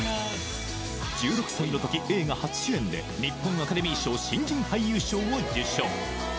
１６歳の時映画初主演で日本アカデミー賞新人俳優賞を受賞